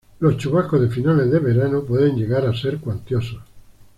Los chubascos de finales de verano pueden llegar a ser cuantiosos.